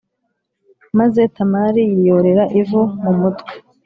Maze Tamari yiyorera ivu mu mutwe